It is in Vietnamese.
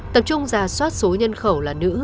tập trung ra soát số nhân khẩu là nữ